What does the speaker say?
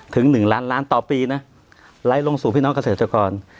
ถึง๑ล้านล้านต่อปีนะไหลลงสู่พี่น้องเกษตรกร